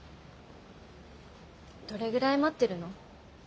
どれぐらい待ってるの？